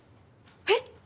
えっ！